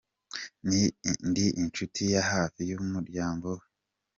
Ndi inshuti ya hafi y’umuryango we.